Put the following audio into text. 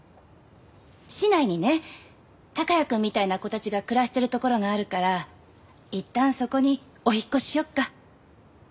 市内にね孝也くんみたいな子たちが暮らしてる所があるからいったんそこにお引っ越ししよっか。